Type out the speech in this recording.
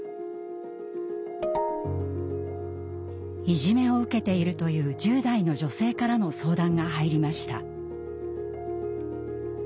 いじめを受けているという１０代の女性からの相談が入りました。